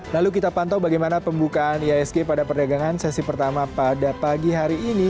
lalu kita pantau bagaimana pembukaan ihsg pada perdagangan sesi pertama pada pagi hari ini